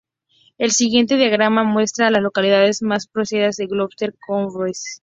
El siguiente diagrama muestra a las localidades más próximas a Gloucester Courthouse.